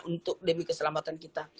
untuk demi keselamatan kita